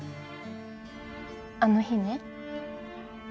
あの日ね。